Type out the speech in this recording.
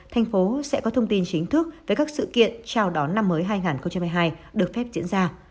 thành phố sẽ có thông tin chính thức về các sự kiện chào đón năm mới hai nghìn hai mươi hai được phép diễn ra